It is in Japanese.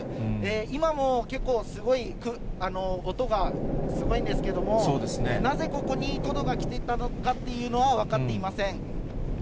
今も結構、すごい音が、すごいんですけれども、なぜここにトドが来てたのかというのは分かっていません。